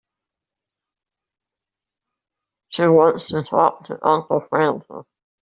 She wants to talk to Uncle Francis.